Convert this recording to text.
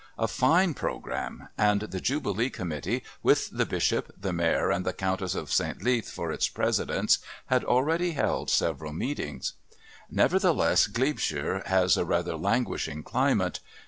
A fine programme, and the Jubilee Committee, with the Bishop, the Mayor, and the Countess of St. Leath for its presidents, had already held several meetings. Nevertheless, Glebeshire has a rather languishing climate.